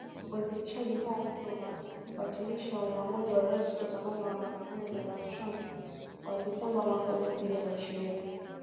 Uidhinishaji huo mpya unabatilisha uamuzi wa Rais wa zamani wa Marekani Donald Trump wa Disemba mwaka elfi mbili na ishirini